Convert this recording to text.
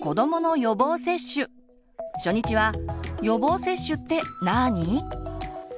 初日は「予防接種ってなに？」。